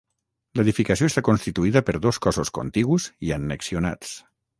L'edificació està constituïda per dos cossos contigus i annexionats.